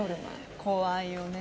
怖いよね。